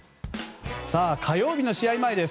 火曜日の試合前です。